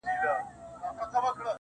سیاه پوسي ده خاوند یې ورک دی.